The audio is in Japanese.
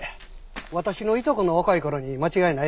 私のいとこの若い頃に間違いないですね。